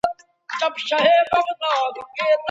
د هر انسان د ژوند کیسه د لیکلو ارزښت لري.